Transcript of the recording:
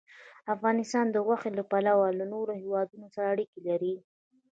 افغانستان د غوښې له پلوه له نورو هېوادونو سره اړیکې لري.